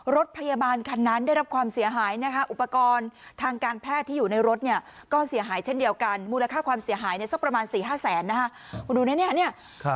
รถพยาบาลคันนั้นได้รับความเสียหายนะคะอุปกรณ์ทางการแพทย์ที่อยู่ในรถเนี่ยก็เสียหายเช่นเดียวกันมูลค่าความเสียหายเนี่ยสักประมาณสี่ห้าแสนนะคะคุณดูนะเนี่ย